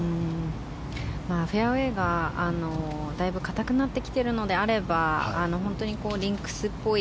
フェアウェーがだいぶ硬くなってきているのであればリンクスっぽい